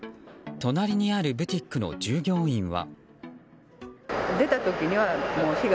隣にあるブティックの従業員は。